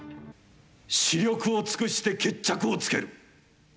死力を尽くして決着をつける。